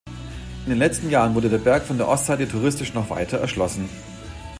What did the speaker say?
In den letzten Jahren wurde der Berg von der Ostseite touristisch noch weiter erschlossen.